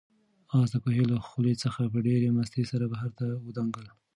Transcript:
آس د کوهي له خولې څخه په ډېرې مستۍ سره بهر ته ودانګل.